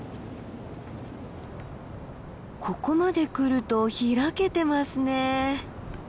ここまで来ると開けてますね。